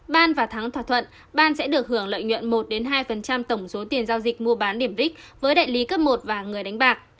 ban và thắng thỏa thuận ban sẽ được hưởng lợi nhuận một hai tổng số tiền giao dịch mua bán điểm rich với đại lý cấp một và người đánh bạc